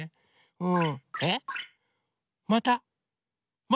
うん？